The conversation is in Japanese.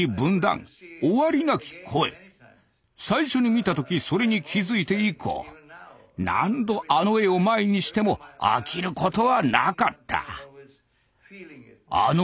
最初に見た時それに気付いて以降何度あの絵を前にしても飽きることはなかった。